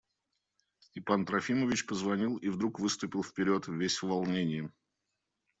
Степан Трофимович позвонил и вдруг выступил вперед, весь в волнении.